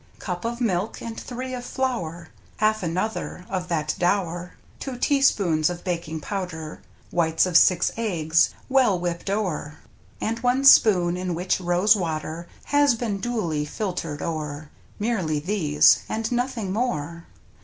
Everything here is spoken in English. Cup of milk, and three of flour — half another of that dower — Two teaspoons of baking powder, whites of six eggs well whipped o'er. And one spoon in which rose water has been duly filtered o'er. JNIerely these, and nothing more.